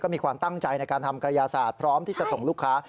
มีความตั้งใจในการทำกระยาศาสตร์พร้อมที่จะส่งลูกค้า